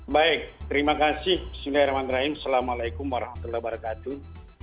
baik terima kasih bismillahirrahmanirrahim assalamualaikum warahmatullahi wabarakatuh